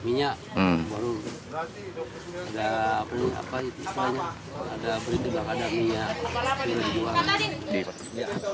minyak baru ada beritiba ada minyak